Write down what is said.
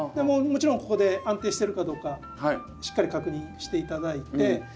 もちろんここで安定してるかどうかしっかり確認して頂いて。